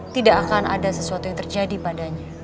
tidak akan ada sesuatu yang terjadi padanya